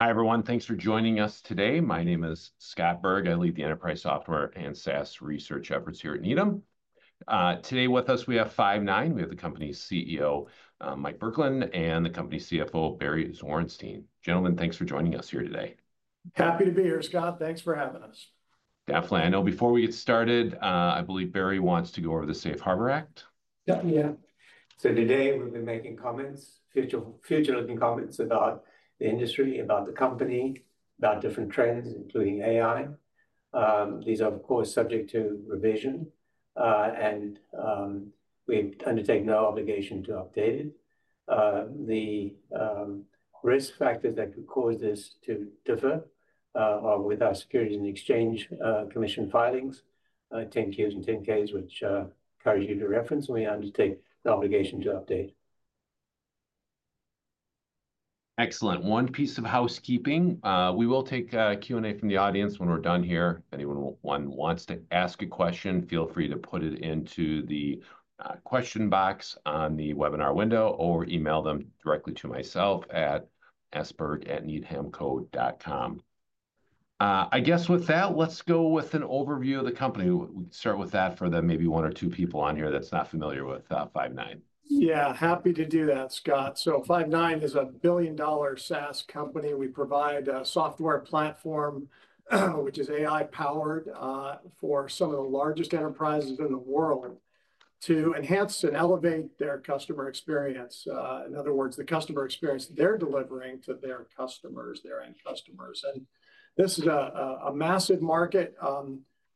Hi, everyone. Thanks for joining us today. My name is Scott Berg. I lead the enterprise software and SaaS research efforts here at Needham. Today with us, we have Five9. We have the company's CEO, Mike Burkland, and the company's CFO, Barry Zwarenstein. Gentlemen, thanks for joining us here today. Happy to be here, Scott. Thanks for having us. Definitely. I know before we get started, I believe Barry wants to go over the Safe Harbor Act. Yeah, so today we've been making forward-looking comments about the industry, about the company, about different trends, including AI. These are, of course, subject to revision, and we undertake no obligation to update it. The risk factors that could cause this to differ are with our Securities and Exchange Commission filings, 10-Qs and 10-Ks, which I encourage you to reference, and we undertake no obligation to update. Excellent. One piece of housekeeping: we will take Q&A from the audience when we're done here. If anyone wants to ask a question, feel free to put it into the question box on the webinar window or email them directly to myself at sberg@needhamco.com. I guess with that, let's go with an overview of the company. We can start with that for the maybe one or two people on here that's not familiar with Five9. Yeah, happy to do that, Scott. So Five9 is a billion-dollar SaaS company. We provide a software platform, which is AI-powered, for some of the largest enterprises in the world to enhance and elevate their customer experience. In other words, the customer experience they're delivering to their customers, their end customers. And this is a massive market.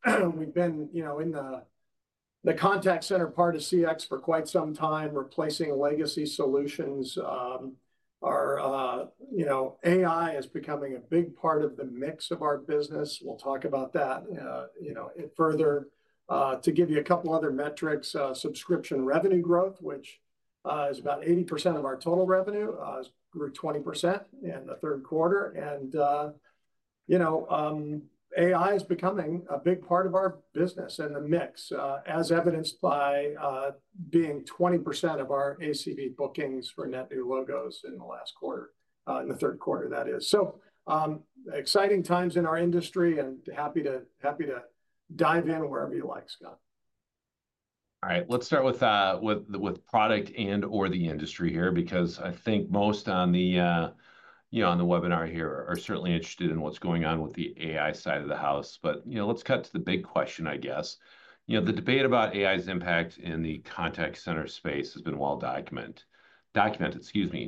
We've been in the contact center part of CX for quite some time, replacing legacy solutions. Our AI is becoming a big part of the mix of our business. We'll talk about that further. To give you a couple of other metrics, subscription revenue growth, which is about 80% of our total revenue, grew 20% in the third quarter. And AI is becoming a big part of our business and the mix, as evidenced by being 20% of our ACV bookings for net new logos in the last quarter, in the third quarter, that is. So exciting times in our industry, and happy to dive in wherever you like, Scott. All right, let's start with product and/or the industry here, because I think most on the webinar here are certainly interested in what's going on with the AI side of the house. But let's cut to the big question, I guess. The debate about AI's impact in the contact center space has been well documented.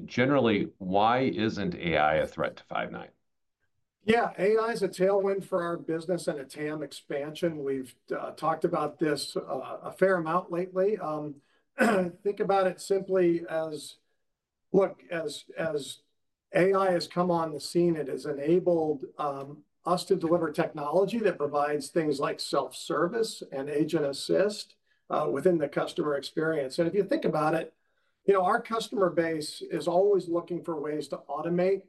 Generally, why isn't AI a threat to Five9? Yeah, AI is a tailwind for our business and a TAM expansion. We've talked about this a fair amount lately. Think about it simply as, look, as AI has come on the scene, it has enabled us to deliver technology that provides things like self-service and agent assist within the customer experience. And if you think about it, our customer base is always looking for ways to automate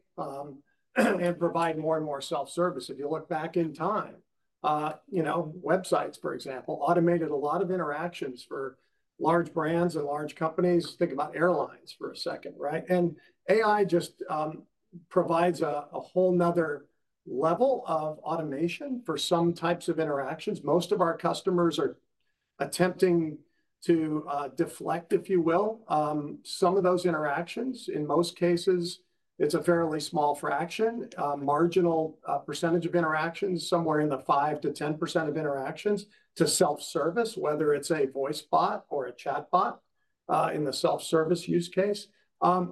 and provide more and more self-service. If you look back in time, websites, for example, automated a lot of interactions for large brands and large companies. Think about airlines for a second, right? And AI just provides a whole 'nother level of automation for some types of interactions. Most of our customers are attempting to deflect, if you will, some of those interactions. In most cases, it's a fairly small fraction, marginal percentage of interactions, somewhere in the 5%-10% of interactions to self-service, whether it's a voicebot or a chatbot in the self-service use case.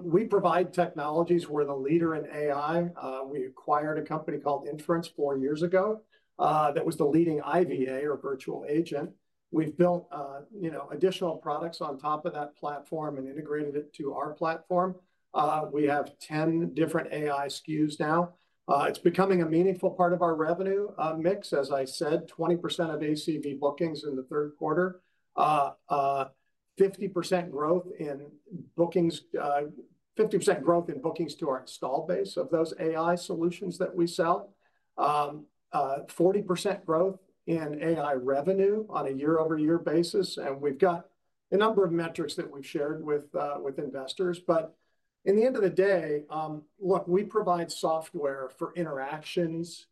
We provide technologies. We're the leader in AI. We acquired a company called Inference four years ago that was the leading IVA or virtual agent. We've built additional products on top of that platform and integrated it to our platform. We have 10 different AI SKUs now. It's becoming a meaningful part of our revenue mix. As I said, 20% of ACV bookings in the third quarter. 50% growth in bookings. 50% growth in bookings to our install base of those AI solutions that we sell. 40% growth in AI revenue on a year-over-year basis. We've got a number of metrics that we've shared with investors. But in the end of the day, look, we provide software for interactions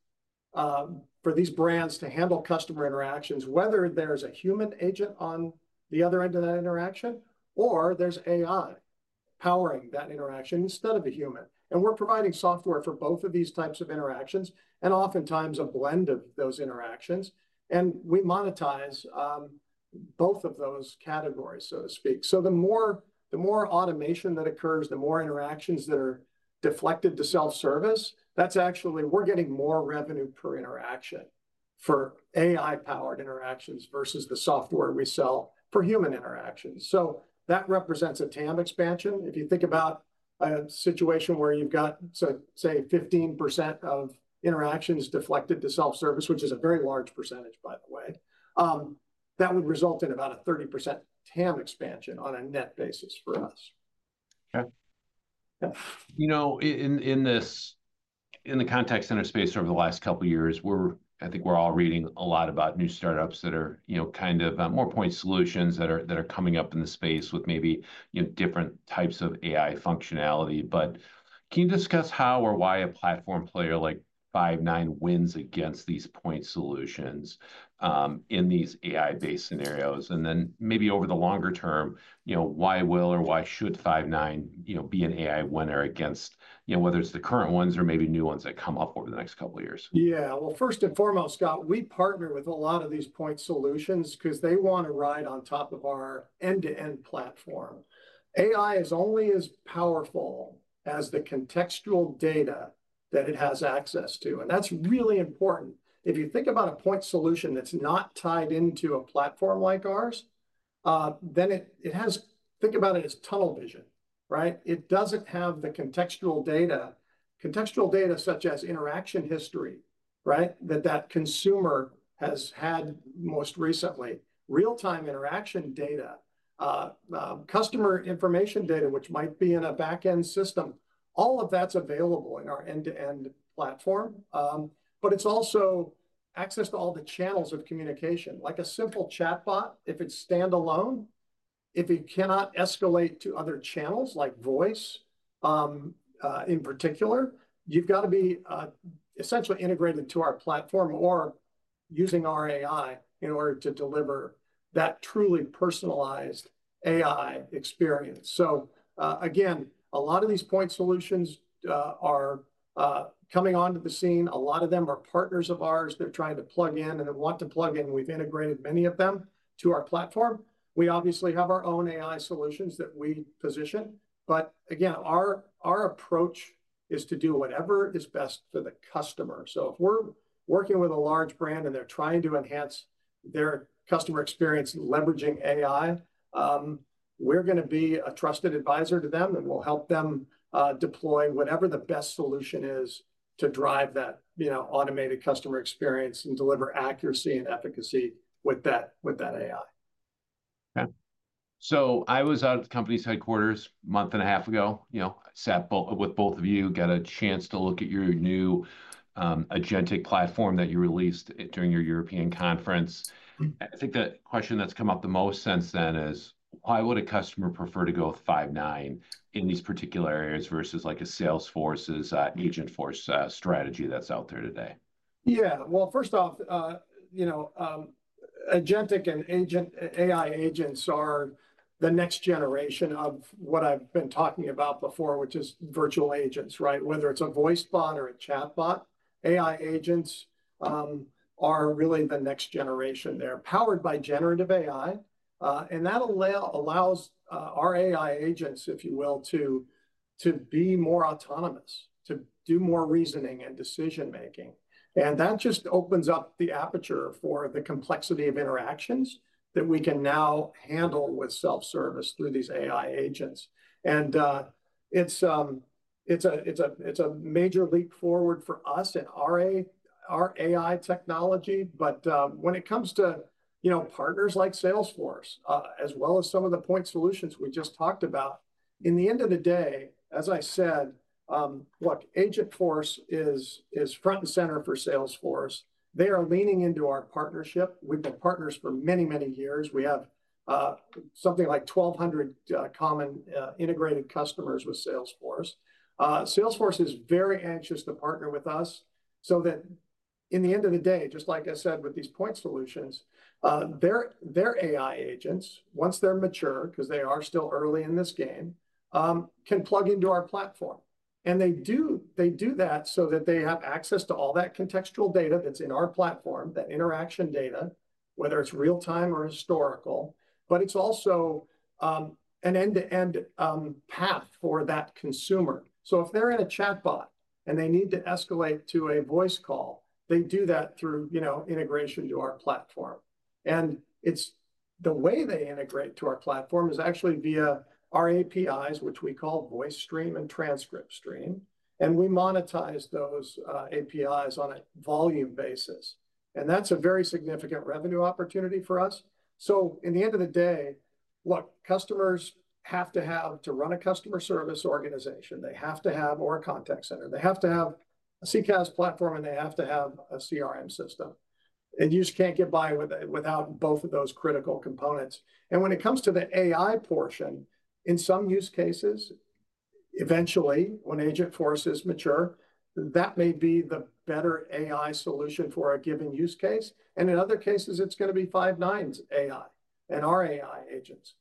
for these brands to handle customer interactions, whether there's a human agent on the other end of that interaction or there's AI powering that interaction instead of a human. And we're providing software for both of these types of interactions and oftentimes a blend of those interactions. And we monetize both of those categories, so to speak. So the more automation that occurs, the more interactions that are deflected to self-service, that's actually we're getting more revenue per interaction for AI-powered interactions versus the software we sell for human interactions. So that represents a TAM expansion. If you think about a situation where you've got, say, 15% of interactions deflected to self-service, which is a very large percentage, by the way, that would result in about a 30% TAM expansion on a net basis for us. Okay. In the contact center space over the last couple of years, I think we're all reading a lot about new startups that are kind of more point solutions that are coming up in the space with maybe different types of AI functionality. But can you discuss how or why a platform player like Five9 wins against these point solutions in these AI-based scenarios? And then maybe over the longer term, why will or why should Five9 be an AI winner against whether it's the current ones or maybe new ones that come up over the next couple of years? Yeah, well, first and foremost, Scott, we partner with a lot of these point solutions because they want to ride on top of our end-to-end platform. AI is only as powerful as the contextual data that it has access to. And that's really important. If you think about a point solution that's not tied into a platform like ours, then think about it as tunnel vision, right? It doesn't have the contextual data such as interaction history, right, that consumer has had most recently, real-time interaction data, customer information data, which might be in a back-end system. All of that's available in our end-to-end platform. But it's also access to all the channels of communication, like a simple chatbot. If it's standalone, if it cannot escalate to other channels like voice in particular, you've got to be essentially integrated to our platform or using our AI in order to deliver that truly personalized AI experience. So again, a lot of these point solutions are coming onto the scene. A lot of them are partners of ours. They're trying to plug in and they want to plug in. We've integrated many of them to our platform. We obviously have our own AI solutions that we position. But again, our approach is to do whatever is best for the customer. So if we're working with a large brand and they're trying to enhance their customer experience leveraging AI, we're going to be a trusted advisor to them and we'll help them deploy whatever the best solution is to drive that automated customer experience and deliver accuracy and efficacy with that AI. Okay, so I was out at the company's headquarters a month and a half ago. I sat with both of you, got a chance to look at your new agentic platform that you released during your European conference. I think the question that's come up the most since then is, why would a customer prefer to go with Five9 in these particular areas versus a Salesforce's Agentforce strategy that's out there today? Yeah. Well, first off, agentic and AI agents are the next generation of what I've been talking about before, which is virtual agents, right? Whether it's a voicebot or a chatbot, AI agents are really the next generation. They're powered by generative AI. And that allows our AI agents, if you will, to be more autonomous, to do more reasoning and decision-making. And that just opens up the aperture for the complexity of interactions that we can now handle with self-service through these AI agents. And it's a major leap forward for us in our AI technology. But when it comes to partners like Salesforce, as well as some of the point solutions we just talked about, in the end of the day, as I said, look, Agentforce is front and center for Salesforce. They are leaning into our partnership. We've been partners for many, many years. We have something like 1,200 common integrated customers with Salesforce. Salesforce is very anxious to partner with us so that in the end of the day, just like I said with these point solutions, their AI agents, once they're mature, because they are still early in this game, can plug into our platform. And they do that so that they have access to all that contextual data that's in our platform, that interaction data, whether it's real-time or historical. But it's also an end-to-end path for that consumer. So if they're in a chatbot and they need to escalate to a voice call, they do that through integration to our platform. And the way they integrate to our platform is actually via our APIs, which we call VoiceStream and TranscriptStream. And we monetize those APIs on a volume basis. That's a very significant revenue opportunity for us. In the end of the day, look, customers have to run a customer service organization. They have to have a contact center. They have to have a CCaaS platform, and they have to have a CRM system. You just can't get by without both of those critical components. When it comes to the AI portion, in some use cases, eventually, when Agentforce is mature, that may be the better AI solution for a given use case. In other cases, it's going to be Five9's AI and our AI agents.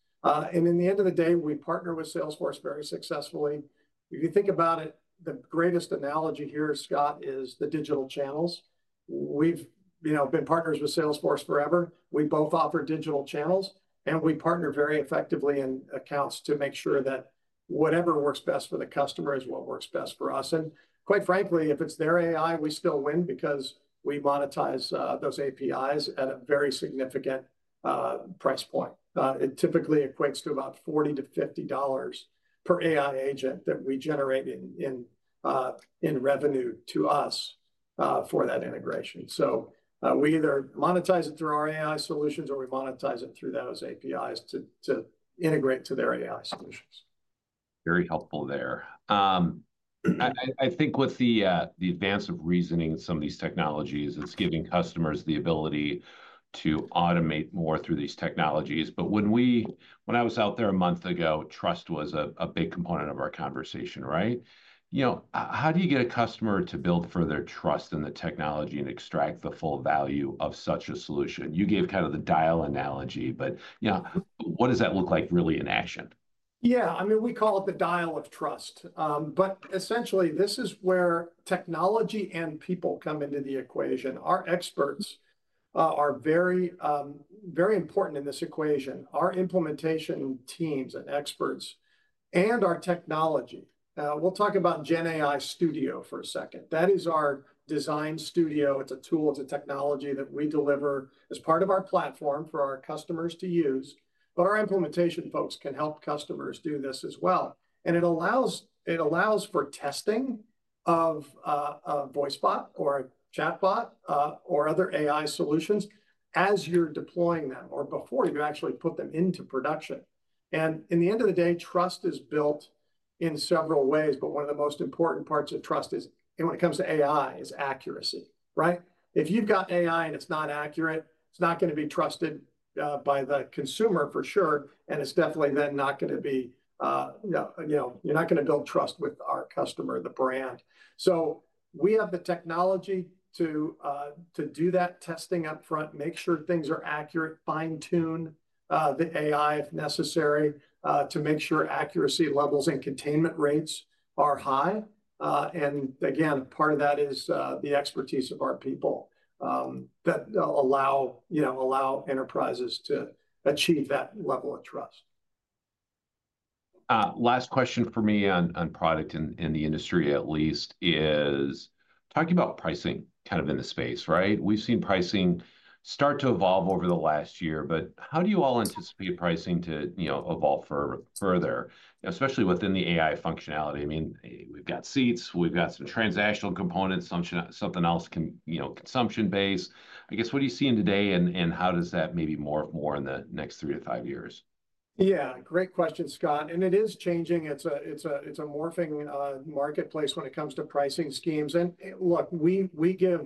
In the end of the day, we partner with Salesforce very successfully. If you think about it, the greatest analogy here, Scott, is the digital channels. We've been partners with Salesforce forever. We both offer digital channels, and we partner very effectively in accounts to make sure that whatever works best for the customer is what works best for us. And quite frankly, if it's their AI, we still win because we monetize those APIs at a very significant price point. It typically equates to about $40-$50 per AI agent that we generate in revenue to us for that integration. So we either monetize it through our AI solutions or we monetize it through those APIs to integrate to their AI solutions. Very helpful there. I think with the advance of reasoning in some of these technologies, it's giving customers the ability to automate more through these technologies. But when I was out there a month ago, trust was a big component of our conversation, right? How do you get a customer to build further trust in the technology and extract the full value of such a solution? You gave kind of the dial analogy, but what does that look like really in action? Yeah, I mean, we call it the dial of trust. But essentially, this is where technology and people come into the equation. Our experts are very important in this equation, our implementation teams and experts, and our technology. We'll talk about GenAI Studio for a second. That is our design studio. It's a tool. It's a technology that we deliver as part of our platform for our customers to use. But our implementation folks can help customers do this as well. And it allows for testing of a voicebot or a chatbot or other AI solutions as you're deploying them or before you actually put them into production. And in the end of the day, trust is built in several ways. But one of the most important parts of trust is, and when it comes to AI, is accuracy, right? If you've got AI and it's not accurate, it's not going to be trusted by the consumer for sure. And it's definitely then not going to be. You're not going to build trust with our customer, the brand. So we have the technology to do that testing upfront, make sure things are accurate, fine-tune the AI if necessary to make sure accuracy levels and containment rates are high. And again, part of that is the expertise of our people that allow enterprises to achieve that level of trust. Last question for me on product in the industry at least is talking about pricing kind of in the space, right? We've seen pricing start to evolve over the last year, but how do you all anticipate pricing to evolve further, especially within the AI functionality? I mean, we've got seats, we've got some transactional components, something else consumption-based. I guess, what are you seeing today and how does that maybe morph more in the next three to five years? Yeah, great question, Scott, and it is changing. It's a morphing marketplace when it comes to pricing schemes, and look, we give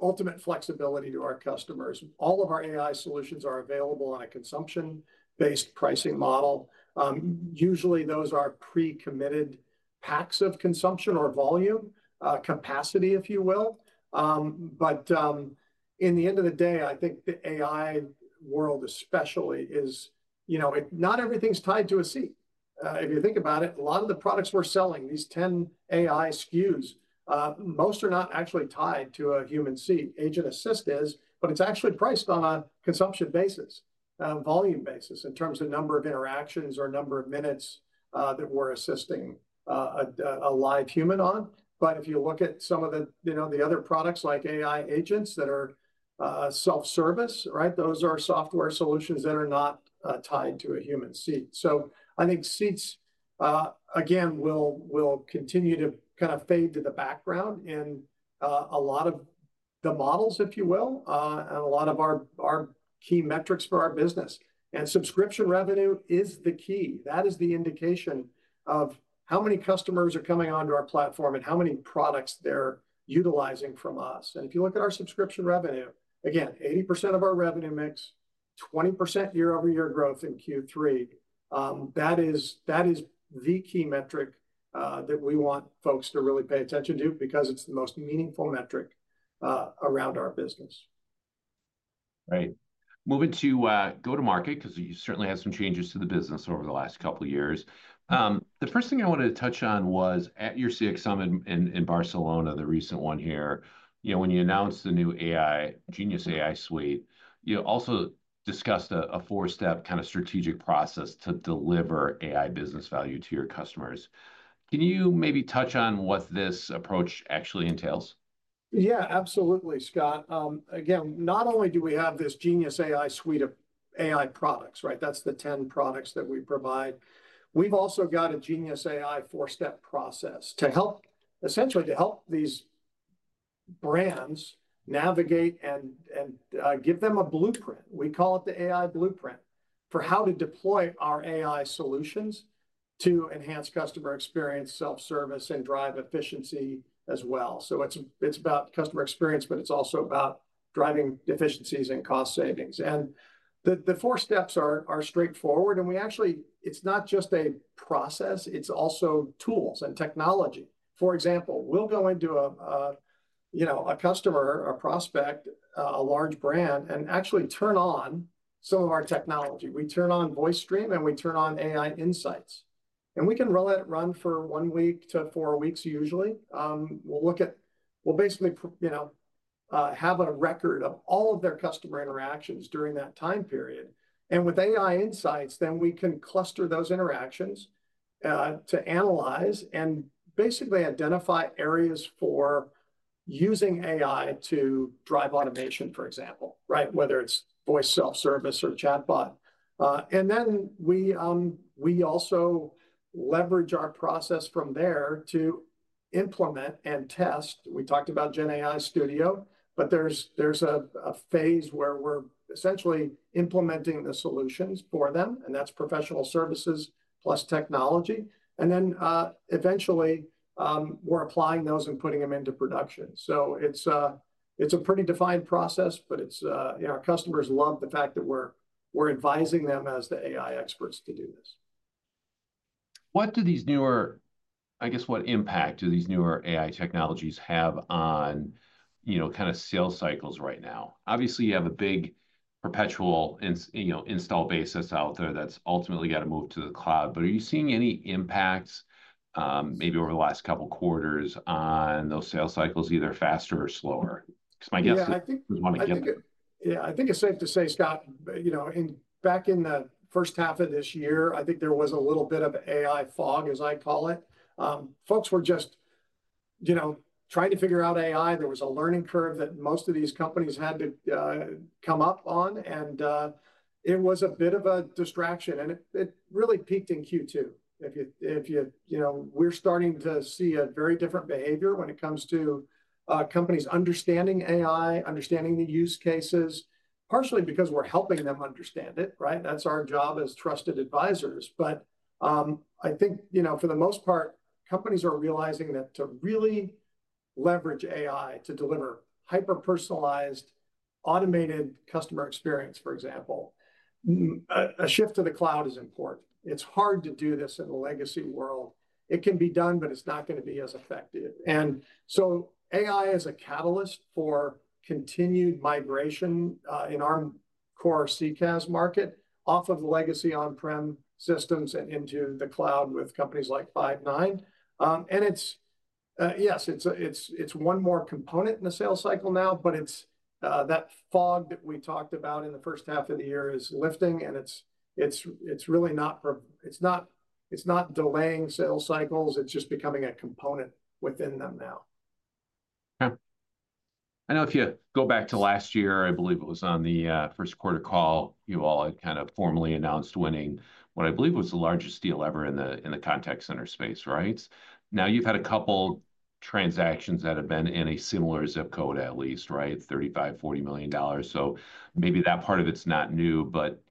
ultimate flexibility to our customers. All of our AI solutions are available on a consumption-based pricing model. Usually, those are pre-committed packs of consumption or volume capacity, if you will, but in the end of the day, I think the AI world especially is not everything's tied to a seat. If you think about it, a lot of the products we're selling, these 10 AI SKUs, most are not actually tied to a human seat. Agent Assist is, but it's actually priced on a consumption basis, volume basis in terms of number of interactions or number of minutes that we're assisting a live human on. But if you look at some of the other products like AI agents that are self-service, right, those are software solutions that are not tied to a human seat. So I think seats, again, will continue to kind of fade to the background in a lot of the models, if you will, and a lot of our key metrics for our business. And subscription revenue is the key. That is the indication of how many customers are coming onto our platform and how many products they're utilizing from us. And if you look at our subscription revenue, again, 80% of our revenue mix, 20% year-over-year growth in Q3. That is the key metric that we want folks to really pay attention to because it's the most meaningful metric around our business. Right. Moving to go-to-market because you certainly had some changes to the business over the last couple of years. The first thing I wanted to touch on was at your CX Summit in Barcelona, the recent one here, when you announced the new Five9 Genius AI Suite, you also discussed a four-step kind of strategic process to deliver AI business value to your customers. Can you maybe touch on what this approach actually entails? Yeah, absolutely, Scott. Again, not only do we have this Genius AI Suite of AI products, right? That's the 10 products that we provide. We've also got a Genius AI four-step process to help, essentially, to help these brands navigate and give them a blueprint. We call it the AI Blueprint for how to deploy our AI solutions to enhance customer experience, self-service, and drive efficiency as well. So it's about customer experience, but it's also about driving efficiencies and cost savings, and the four steps are straightforward. And we actually, it's not just a process. It's also tools and technology. For example, we'll go into a customer, a prospect, a large brand, and actually turn on some of our technology. We turn on VoiceStream, and we turn on AI Insights. And we can run it for one week to four weeks, usually. We'll basically have a record of all of their customer interactions during that time period. And with AI insights, then we can cluster those interactions to analyze and basically identify areas for using AI to drive automation, for example, right? Whether it's voice self-service or chatbot. And then we also leverage our process from there to implement and test. We talked about GenAI Studio, but there's a phase where we're essentially implementing the solutions for them. And that's professional services plus technology. And then eventually, we're applying those and putting them into production. So it's a pretty defined process, but our customers love the fact that we're advising them as the AI experts to do this. I guess, what impact do these newer AI technologies have on kind of sales cycles right now? Obviously, you have a big perpetual installed base out there that's ultimately got to move to the cloud. But are you seeing any impacts maybe over the last couple of quarters on those sales cycles, either faster or slower? Because my guess is I think. Yeah, I think it's safe to say, Scott, back in the first half of this year, I think there was a little bit of AI fog, as I call it. Folks were just trying to figure out AI. There was a learning curve that most of these companies had to come up on. And it was a bit of a distraction. And it really peaked in Q2. We're starting to see a very different behavior when it comes to companies understanding AI, understanding the use cases, partially because we're helping them understand it, right? That's our job as trusted advisors. But I think for the most part, companies are realizing that to really leverage AI to deliver hyper-personalized, automated customer experience, for example, a shift to the cloud is important. It's hard to do this in the legacy world. It can be done, but it's not going to be as effective, and so AI is a catalyst for continued migration in our core CCaaS market off of the legacy on-prem systems and into the cloud with companies like Five9, and yes, it's one more component in the sales cycle now, but that fog that we talked about in the first half of the year is lifting, and it's really not delaying sales cycles. It's just becoming a component within them now. Okay. I know if you go back to last year, I believe it was on the first quarter call, you all had kind of formally announced winning what I believe was the largest deal ever in the contact center space, right? Now, you've had a couple transactions that have been in a similar zip code at least, right? $35-$40 million. So maybe that part of it's not new. But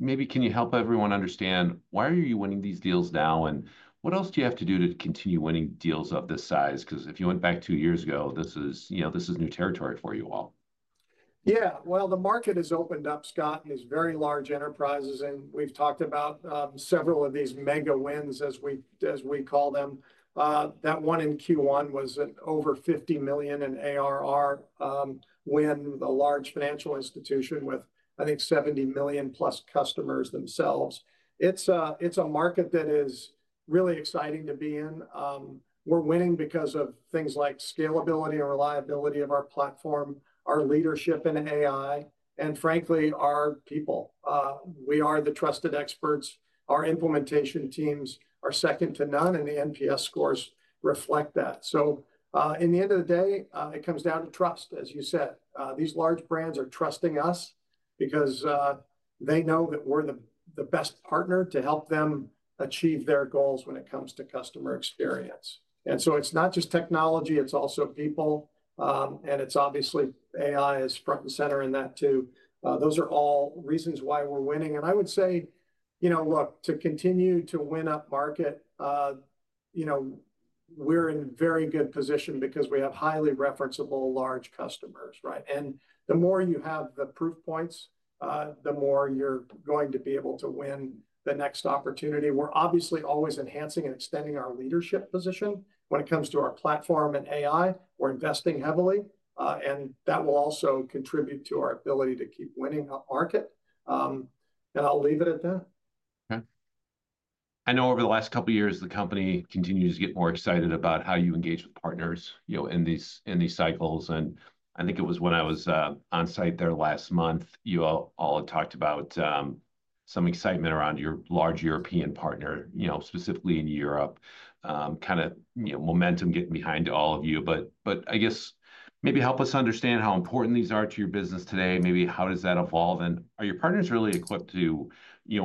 maybe can you help everyone understand why are you winning these deals now? And what else do you have to do to continue winning deals of this size? Because if you went back two years ago, this is new territory for you all. Yeah. Well, the market has opened up, Scott, and these very large enterprises, and we've talked about several of these mega wins, as we call them. That one in Q1 was an over $50 million in ARR win with a large financial institution with, I think, $70 million-plus customers themselves. It's a market that is really exciting to be in. We're winning because of things like scalability and reliability of our platform, our leadership in AI, and frankly, our people. We are the trusted experts. Our implementation teams are second to none, and the NPS scores reflect that, so in the end of the day, it comes down to trust, as you said. These large brands are trusting us because they know that we're the best partner to help them achieve their goals when it comes to customer experience, and so it's not just technology. It's also people. And it's obviously AI is front and center in that too. Those are all reasons why we're winning. And I would say, look, to continue to win up market, we're in very good position because we have highly referenceable large customers, right? And the more you have the proof points, the more you're going to be able to win the next opportunity. We're obviously always enhancing and extending our leadership position. When it comes to our platform and AI, we're investing heavily. And that will also contribute to our ability to keep winning market. And I'll leave it at that. Okay. I know over the last couple of years, the company continues to get more excited about how you engage with partners in these cycles. And I think it was when I was on site there last month, you all had talked about some excitement around your large European partner, specifically in Europe, kind of momentum getting behind all of you. But I guess maybe help us understand how important these are to your business today. Maybe how does that evolve? And are your partners really equipped to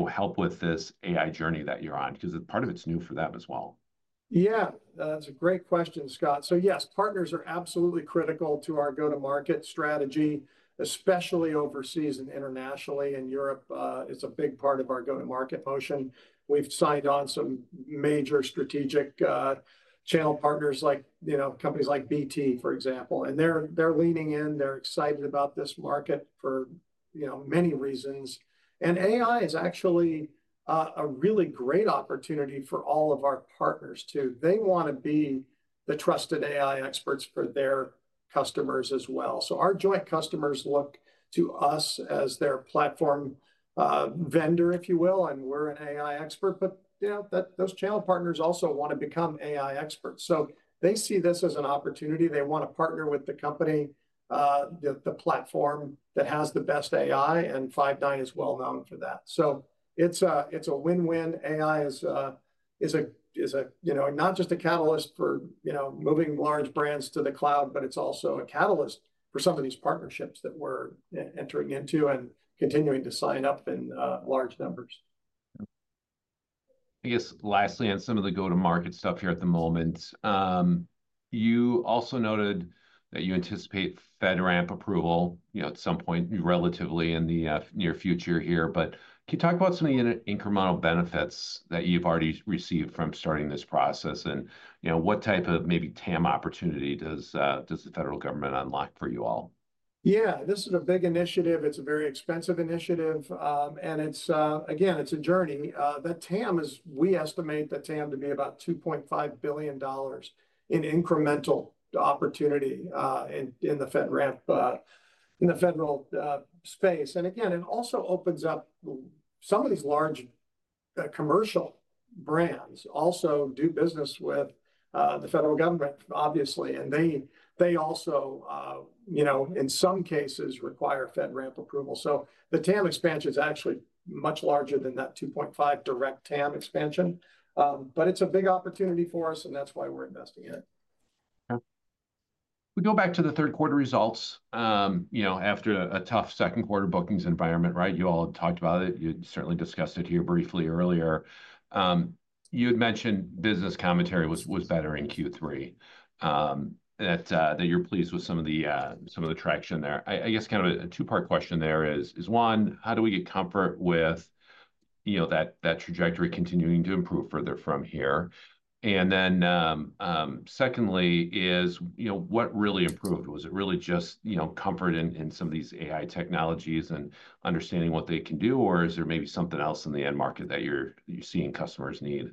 help with this AI journey that you're on? Because part of it's new for them as well. Yeah. That's a great question, Scott. So yes, partners are absolutely critical to our go-to-market strategy, especially overseas and internationally. And Europe is a big part of our go-to-market motion. We've signed on some major strategic channel partners like companies like BT, for example. And they're leaning in. They're excited about this market for many reasons. And AI is actually a really great opportunity for all of our partners too. They want to be the trusted AI experts for their customers as well. So our joint customers look to us as their platform vendor, if you will, and we're an AI expert. But those channel partners also want to become AI experts. So they see this as an opportunity. They want to partner with the company, the platform that has the best AI. And Five9 is well known for that. So it's a win-win. AI is not just a catalyst for moving large brands to the cloud, but it's also a catalyst for some of these partnerships that we're entering into and continuing to sign up in large numbers. I guess lastly, on some of the go-to-market stuff here at the moment, you also noted that you anticipate FedRAMP approval at some point relatively in the near future here. But can you talk about some of the incremental benefits that you've already received from starting this process? And what type of maybe TAM opportunity does the federal government unlock for you all? Yeah. This is a big initiative. It's a very expensive initiative. And again, it's a journey. We estimate the TAM to be about $2.5 billion in incremental opportunity in the federal space. And again, it also opens up some of these large commercial brands also do business with the federal government, obviously. And they also, in some cases, require FedRAMP approval. So the TAM expansion is actually much larger than that $2.5 billion direct TAM expansion. But it's a big opportunity for us, and that's why we're investing in it. We go back to the third quarter results after a tough second quarter bookings environment, right? You all had talked about it. You certainly discussed it here briefly earlier. You had mentioned business commentary was better in Q3, that you're pleased with some of the traction there. I guess kind of a two-part question there is, one, how do we get comfort with that trajectory continuing to improve further from here? And then secondly, what really improved? Was it really just comfort in some of these AI technologies and understanding what they can do? Or is there maybe something else in the end market that you're seeing customers need?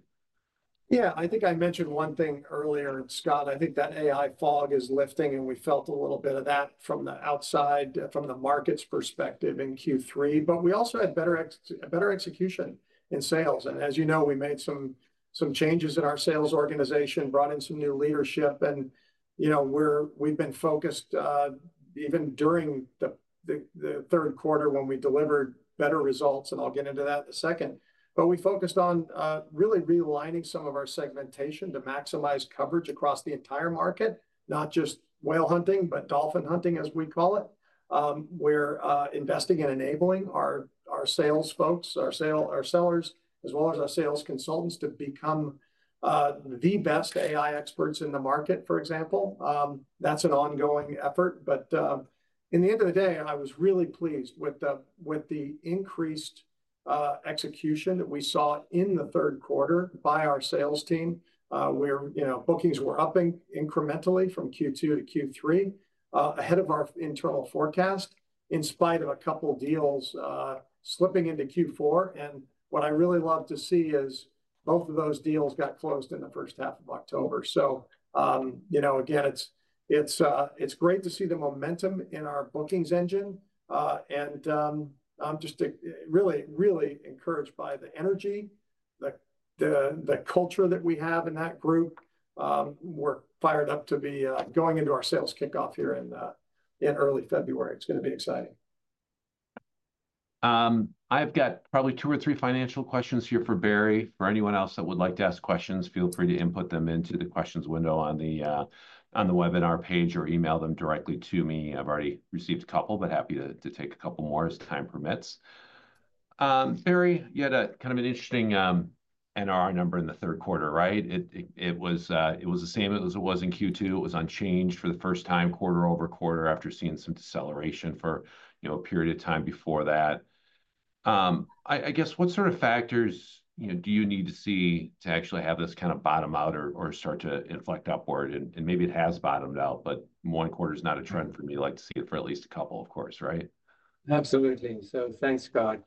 Yeah. I think I mentioned one thing earlier, Scott. I think that AI fog is lifting. And we felt a little bit of that from the outside, from the market's perspective in Q3. But we also had better execution in sales. And as you know, we made some changes in our sales organization, brought in some new leadership. And we've been focused even during the third quarter when we delivered better results. And I'll get into that in a second. But we focused on really realigning some of our segmentation to maximize coverage across the entire market, not just whale hunting, but dolphin hunting, as we call it. We're investing in enabling our sales folks, our sellers, as well as our sales consultants to become the best AI experts in the market, for example. That's an ongoing effort. But in the end of the day, I was really pleased with the increased execution that we saw in the third quarter by our sales team. Bookings were upping incrementally from Q2 to Q3 ahead of our internal forecast, in spite of a couple of deals slipping into Q4. And what I really love to see is both of those deals got closed in the first half of October. So again, it's great to see the momentum in our bookings engine. And I'm just really, really encouraged by the energy, the culture that we have in that group. We're fired up to be going into our sales kickoff here in early February. It's going to be exciting. I've got probably two or three financial questions here for Barry. For anyone else that would like to ask questions, feel free to input them into the questions window on the webinar page or email them directly to me. I've already received a couple, but happy to take a couple more as time permits. Barry, you had kind of an interesting NRR number in the third quarter, right? It was the same as it was in Q2. It was unchanged for the first time, quarter over quarter, after seeing some deceleration for a period of time before that. I guess what sort of factors do you need to see to actually have this kind of bottom out or start to inflect upward? And maybe it has bottomed out, but one quarter is not a trend for me. I'd like to see it for at least a couple, of course, right? Absolutely. So thanks, Scott.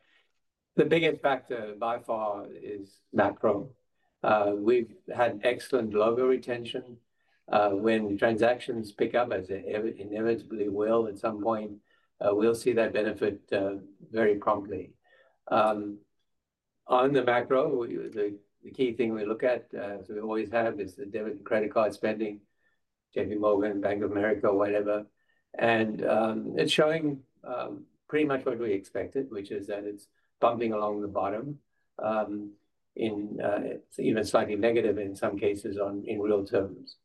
The biggest factor by far is macro. We've had excellent logo retention. When transactions pick up, as they inevitably will at some point, we'll see that benefit very promptly. On the macro, the key thing we look at, as we always have, is the debit and credit card spending, JPMorgan Chase, Bank of America, whatever. And it's showing pretty much what we expected, which is that it's bumping along the bottom, even slightly negative in some cases in real terms.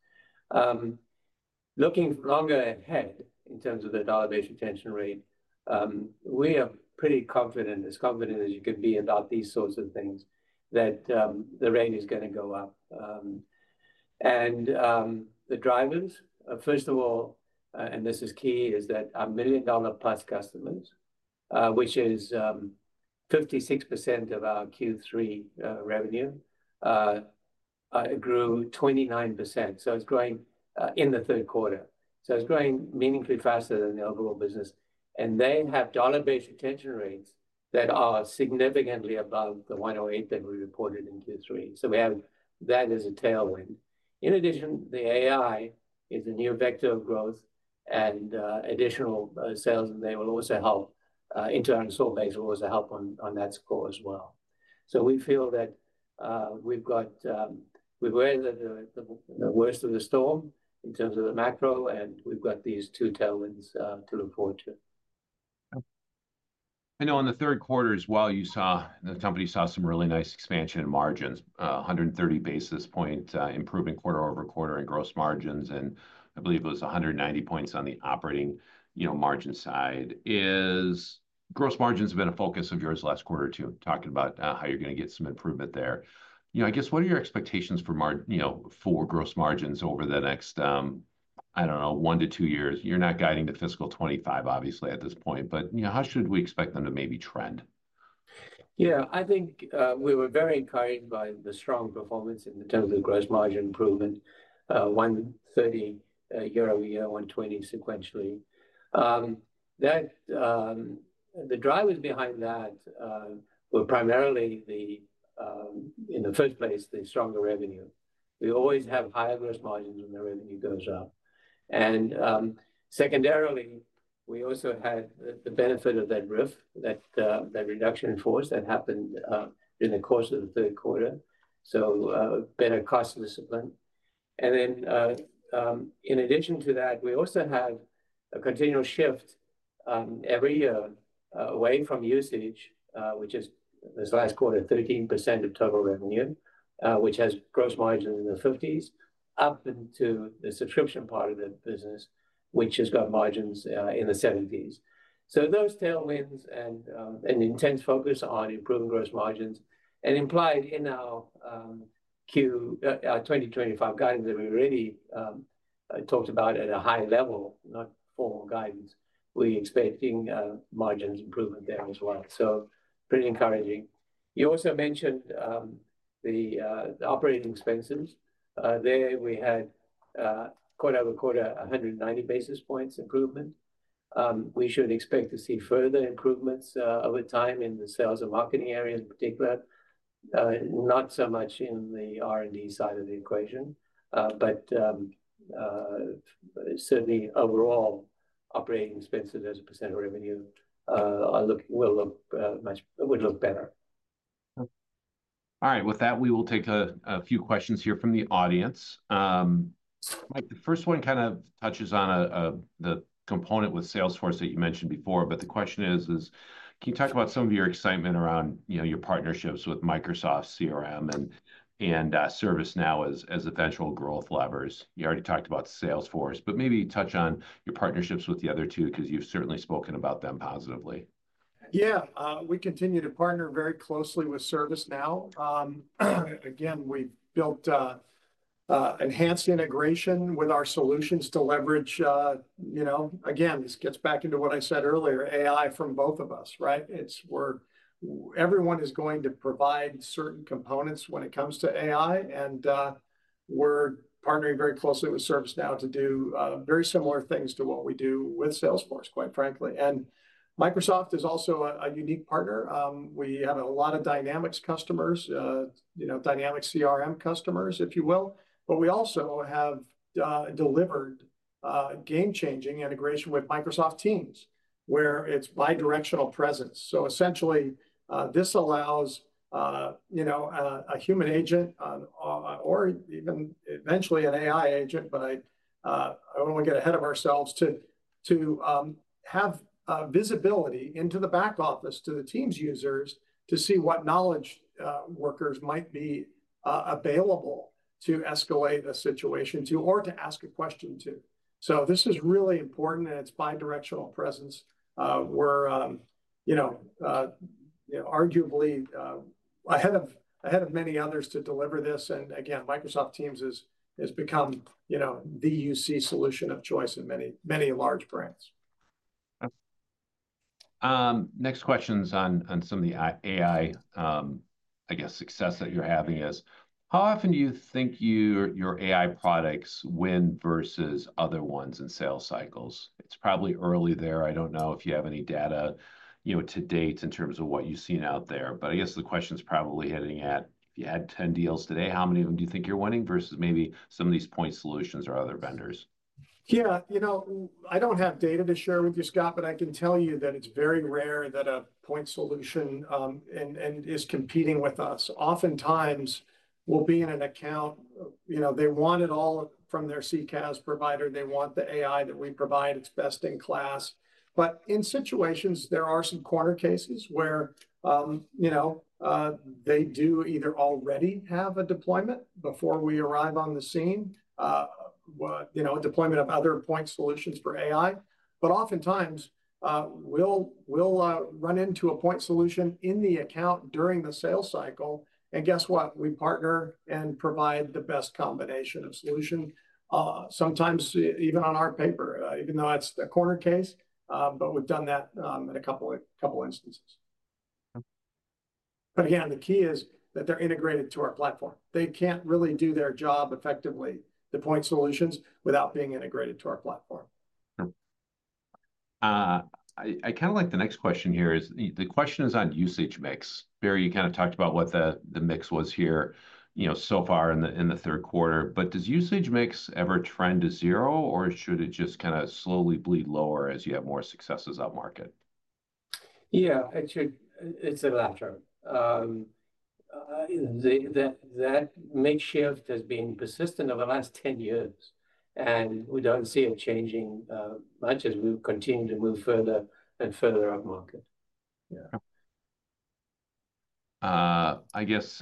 Looking longer ahead in terms of the dollar-based retention rate, we are pretty confident, as confident as you can be about these sorts of things, that the rate is going to go up. And the drivers, first of all, and this is key, is that our million-dollar-plus customers, which is 56% of our Q3 revenue, grew 29%. So it's growing in the third quarter. So it's growing meaningfully faster than the overall business. And they have dollar-based retention rates that are significantly above the 108 basis points that we reported in Q3. So that is a tailwind. In addition, the AI is a new vector of growth. And additional sales that they will also help, internal sales will also help on that score as well. So we feel that we've weathered the worst of the storm in terms of the macro. And we've got these two tailwinds to look forward to. I know in the third quarter as well, the company saw some really nice expansion in margins, 130 basis points, improving quarter over quarter in gross margins, and I believe it was 190 points on the operating margin side. Gross margins have been a focus of yours the last quarter too, talking about how you're going to get some improvement there. I guess what are your expectations for gross margins over the next, I don't know, one to two years? You're not guiding the fiscal 2025, obviously, at this point, but how should we expect them to maybe trend? Yeah. I think we were very encouraged by the strong performance in terms of gross margin improvement, 130 basis points year over year, 120 basis points sequentially. The drivers behind that were primarily, in the first place, the stronger revenue. We always have higher gross margins when the revenue goes up. And secondarily, we also had the benefit of that RIF, that reduction in force that happened during the course of the third quarter, so better cost discipline. And then in addition to that, we also have a continual shift every year away from usage, which is this last quarter, 13% of total revenue, which has gross margins in the 50s, up into the subscription part of the business, which has got margins in the 70s. So those tailwinds and intense focus on improving gross margins and implied in our 2025 guidance that we already talked about at a high level, not formal guidance, we expecting margins improvement there as well. So pretty encouraging. You also mentioned the operating expenses. There we had quarter over quarter, 190 basis points improvement. We should expect to see further improvements over time in the sales and marketing area, in particular, not so much in the R&D side of the equation. But certainly, overall, operating expenses as a percent of revenue will look better. All right. With that, we will take a few questions here from the audience. The first one kind of touches on the component with Salesforce that you mentioned before. But the question is, can you talk about some of your excitement around your partnerships with Microsoft, CRM, and ServiceNow as eventual growth levers? You already talked about Salesforce. But maybe touch on your partnerships with the other two because you've certainly spoken about them positively. Yeah. We continue to partner very closely with ServiceNow. Again, we've built enhanced integration with our solutions to leverage. Again, this gets back into what I said earlier, AI from both of us, right? Everyone is going to provide certain components when it comes to AI. And we're partnering very closely with ServiceNow to do very similar things to what we do with Salesforce, quite frankly. And Microsoft is also a unique partner. We have a lot of Dynamics customers, Dynamics CRM customers, if you will. But we also have delivered game-changing integration with Microsoft Teams where it's bidirectional presence. So essentially, this allows a human agent or even eventually an AI agent, but I want to get ahead of ourselves, to have visibility into the back office to the Teams users to see what knowledge workers might be available to escalate a situation to or to ask a question to. So this is really important. And it's bidirectional presence. We're arguably ahead of many others to deliver this. And again, Microsoft Teams has become the UC solution of choice in many large brands. Next question is on some of the AI, I guess, success that you're having is, how often do you think your AI products win versus other ones in sales cycles? It's probably early there. I don't know if you have any data to date in terms of what you've seen out there. But I guess the question's probably hitting at, if you had 10 deals today, how many of them do you think you're winning versus maybe some of these point solutions or other vendors? Yeah. You know, I don't have data to share with you, Scott, but I can tell you that it's very rare that a point solution is competing with us. Oftentimes, we'll be in an account. They want it all from their CCaaS provider. They want the AI that we provide. It's best in class. But in situations, there are some corner cases where they do either already have a deployment before we arrive on the scene, a deployment of other point solutions for AI. But oftentimes, we'll run into a point solution in the account during the sales cycle. And guess what? We partner and provide the best combination of solution, sometimes even on our paper, even though it's a corner case. But again, the key is that they're integrated to our platform. They can't really do their job effectively, the point solutions, without being integrated to our platform. I kind of like the next question here is, the question is on usage mix. Barry, you kind of talked about what the mix was here so far in the third quarter. But does usage mix ever trend to zero? Or should it just kind of slowly bleed lower as you have more successes out in the market? Yeah. That mix shift has been persistent over the last 10 years. And we don't see it changing much as we continue to move further and further up market. I guess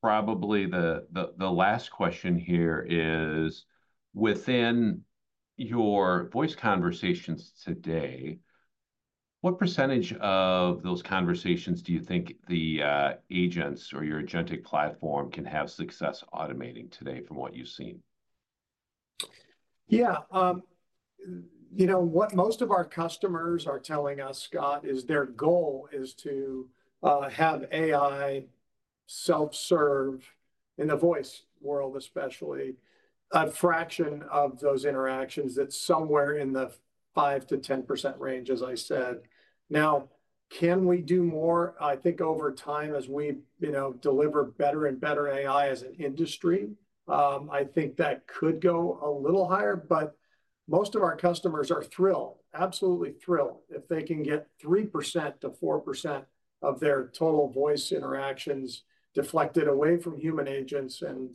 probably the last question here is, within your voice conversations today, what percentage of those conversations do you think the agents or your agentic platform can have success automating today from what you've seen? Yeah. You know, what most of our customers are telling us, Scott, is their goal is to have AI self-serve in the voice world, especially, a fraction of those interactions that's somewhere in the 5%-10% range, as I said. Now, can we do more? I think over time, as we deliver better and better AI as an industry, I think that could go a little higher. But most of our customers are thrilled, absolutely thrilled, if they can get 3%-4% of their total voice interactions deflected away from human agents and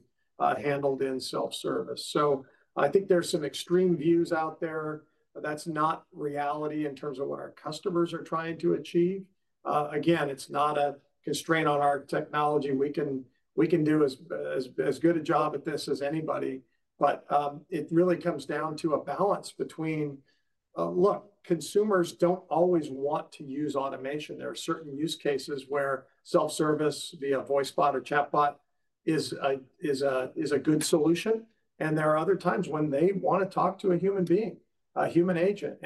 handled in self-service. So I think there's some extreme views out there. That's not reality in terms of what our customers are trying to achieve. Again, it's not a constraint on our technology. We can do as good a job at this as anybody. It really comes down to a balance between, look, consumers don't always want to use automation. There are certain use cases where self-service via VoiceBot or Chatbot is a good solution. There are other times when they want to talk to a human being, a human agent.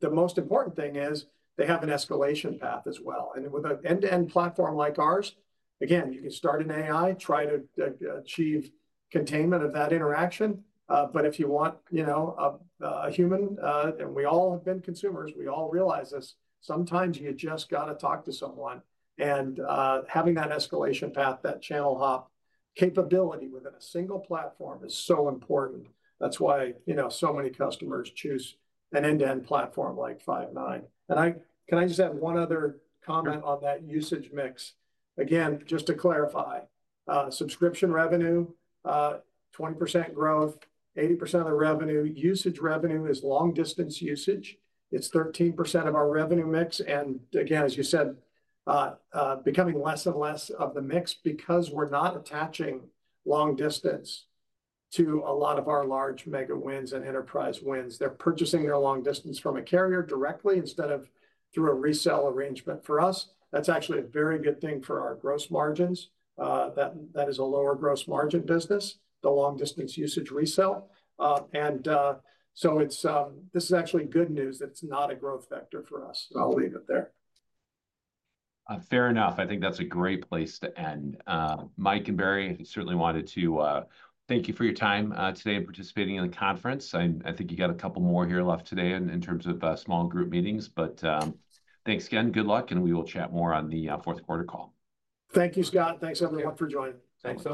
The most important thing is they have an escalation path as well. With an end-to-end platform like ours, again, you can start an AI, try to achieve containment of that interaction. If you want a human, and we all have been consumers, we all realize this, sometimes you just got to talk to someone. Having that escalation path, that channel hop capability within a single platform is so important. That's why so many customers choose an end-to-end platform like Five9. Can I just add one other comment on that usage mix? Again, just to clarify, subscription revenue, 20% growth, 80% of the revenue. Usage revenue is long-distance usage. It's 13% of our revenue mix, and again, as you said, becoming less and less of the mix because we're not attaching long-distance to a lot of our large mega wins and enterprise wins. They're purchasing their long-distance from a carrier directly instead of through a resale arrangement for us. That's actually a very good thing for our gross margins. That is a lower gross margin business, the long-distance usage resale, and so this is actually good news that it's not a growth vector for us. So I'll leave it there. Fair enough. I think that's a great place to end. Mike and Barry, I certainly wanted to thank you for your time today and participating in the conference. I think you got a couple more here left today in terms of small group meetings. But thanks again. Good luck. And we will chat more on the fourth quarter call. Thank you, Scott. Thanks, everyone, for joining. Thanks.